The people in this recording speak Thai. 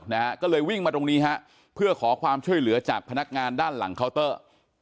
นะฮะก็เลยวิ่งมาตรงนี้ฮะเพื่อขอความช่วยเหลือจากพนักงานด้านหลังเคาน์เตอร์